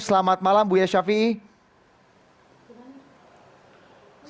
selamat malam buya syafiee